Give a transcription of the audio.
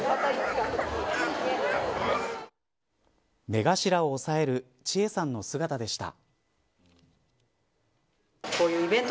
目頭を押さえる千絵さんの姿でした。